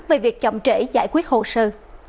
về việc chậm trễ giải quyết hồ sơ